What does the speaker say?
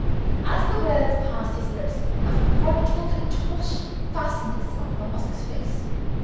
As the words passed his lips, a frightful contortion fastened itself on Oscar's face.